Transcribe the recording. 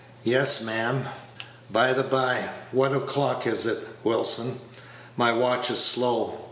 "Yes, ma'am." "By the by, what o'clock is it, Wilson? My watch is slow."